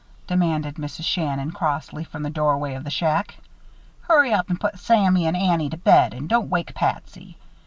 demanded Mrs. Shannon, crossly, from the doorway of the shack. "Hurry up and put Sammy and Annie to bed and don't wake Patsy.